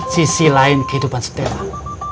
sisi lain kehidupan setelah